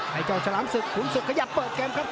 ให้เจ้าฉลามศึกขุนศึกขยับเปิดเกมครับ